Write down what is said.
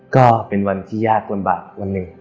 ก็เป็นวันที่ยากไม่ล้อบวันหนึ่ง